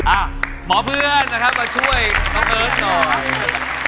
อ่ะหมอเพื่อนนะครับมาช่วยน้องเอิร์ทต่อ